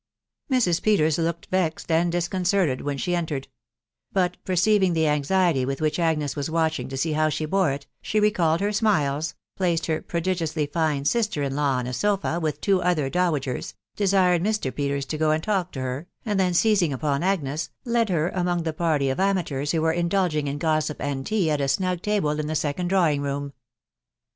Mrs. .Peters looked vexed and disconcerted when she en tered; but, perceiving the anxiety with which Agnes was watching to see how she bore it, she recalled her smiles, placed her prodigiously fine sister in law on a sofa with two other dowagers, desired Mr. Peters to go and talk to her, and then seizing upon Agnes, led her among the party of amateurs who were indulging in gossip and tea at a snug table in the second drawing room.